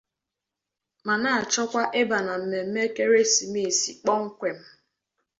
ma na-achọkwa ịbà na mmemme ekeresimeesi koọmkwem.